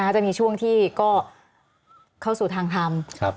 จะมีช่วงที่ก็เข้าสู่ทางทำ